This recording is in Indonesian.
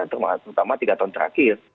terutama tiga tahun terakhir